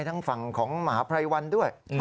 ทั้งฝั่งของมหาภัยวันด้วย